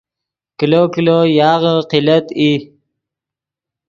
کلو کلو یاغے قلت ای